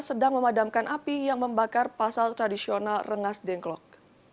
sedang memadamkan api yang membakar pasar tradisional rengas dengklok